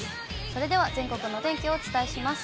それでは全国のお天気をお伝えします。